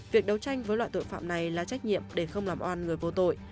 việc đấu tranh với loại tội phạm này là trách nhiệm để không làm oan người vô tội